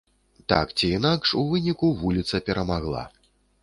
Так ці інакш, у выніку вуліца перамагла.